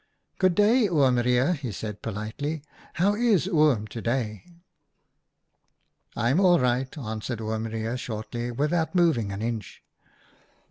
"' Good day, Oom Reijer,' he said politely. 1 How is Oom to day ?' "■'I'm all right,' answered Oom Reijer shortly, without moving an inch.